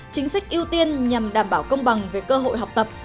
chính sách ưu tiên nhằm đảm bảo công bằng về cơ hội học tập